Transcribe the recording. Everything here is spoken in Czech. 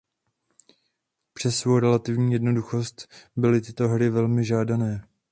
Přes svou relativní jednoduchost byly tyto hry velmi žádané.